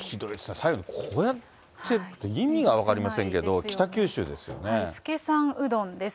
最後、こうやって、意味が分かりませんけど、資さんうどんです。